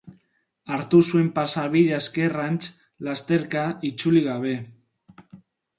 Hartu zuen pasabidea ezkerrantz, lasterka, itzuli gabe.